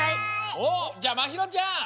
おっじゃあまひろちゃん。